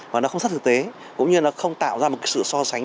và nó không sát thực tế cũng như nó không tạo ra một sự so sánh